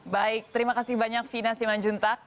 baik terima kasih banyak vina simanjuntak